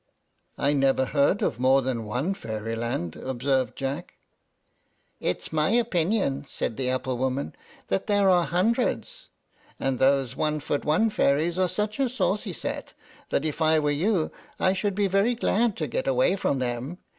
"I never heard of more than one Fairyland," observed Jack. "It's my opinion," said the apple woman, "that there are hundreds! And those one foot one fairies are such a saucy set, that if I were you I should be very glad to get away from them.